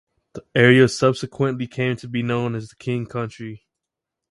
The area subsequently came to be known as the King Country.